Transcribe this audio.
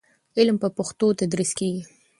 علم په پښتو تدریس کېږي.